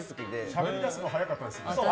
しゃべり出すの早かったですね。